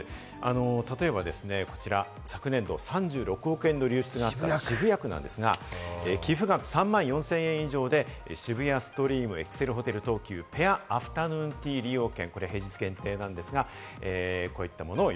例えばですね、こちら、昨年度、３６億円の流出がありました渋谷区なんですが、寄付額３万４０００円以上で、渋谷ストリームエクセルホテル東急・ぺアアフタヌーンティー利用券。